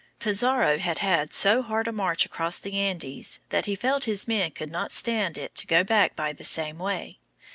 Pizarro had had so hard a march across the Andes that he felt his men could not stand it to go back by the same way.